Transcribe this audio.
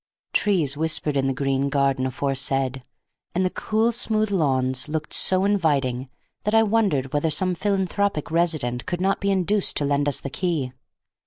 Trees whispered in the green garden aforesaid, and the cool, smooth lawns looked so inviting that I wondered whether some philanthropic resident could not be induced to lend us the key.